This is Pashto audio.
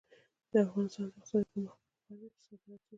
د افغانستان د اقتصادي پرمختګ لپاره پکار ده چې صادرات زیات شي.